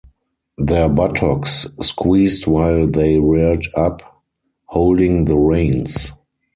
Their buttocks squeezed while they reared up, holding the reins.